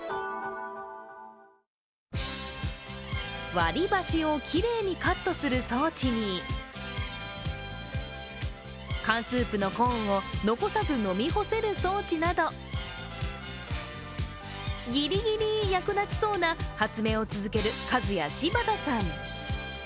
割り箸をきれいにカットする装置に缶スープのコーンを残さず飲み干せる装置など、ギリギリ役立ちそうな発明を続けるカズヤシバタさん。